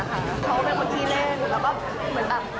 เขาเป็นคนขี้เล่นแล้วก็เหมือนแบบ